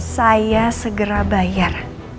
saya segera bayar